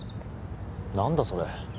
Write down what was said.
何だそれ